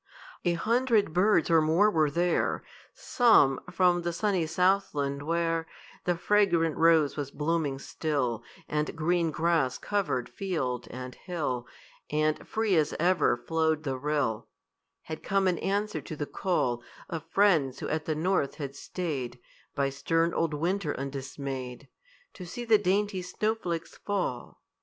A hundred birds or more were there; Some from the sunny Southland, where The fragrant rose was blooming still, And green grass covered field and hill, And, free as ever, flowed the rill Had come in answer to the call Of friends who at the North had staid, By stern old Winter undismayed, To see the dainty snow flakes fall.